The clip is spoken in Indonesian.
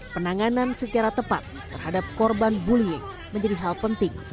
penanganan secara tepat terhadap korban bullying menjadi hal penting